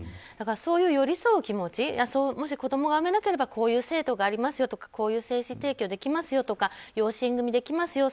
だからそういう寄り添う気持ちもし子供が産めなければこういう制度がありますよとかこういう精子提供できますよとか養子縁組できます